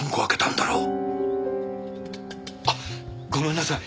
あっごめんなさい。